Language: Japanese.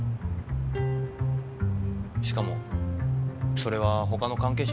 しかもそれは他の関係者